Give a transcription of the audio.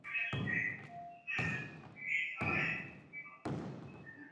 এমন সময় শোভনের কাছ থেকে এক চিঠি এল।